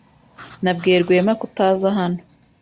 Nabwiye Rwema kutaza hano.